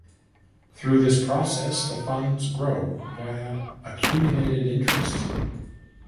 Through this process, the funds grow via accumulated interest.